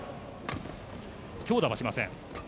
強打はしません。